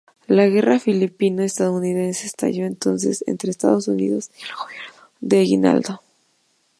La guerra filipino-estadounidense estalló entonces entre los Estados Unidos y el gobierno de Aguinaldo.